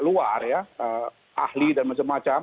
luar ya ahli dan macam macam